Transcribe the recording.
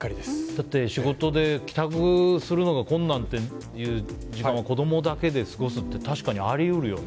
だって、仕事で帰宅するのが困難っていう時間は子供だけで過ごすってあり得るよね。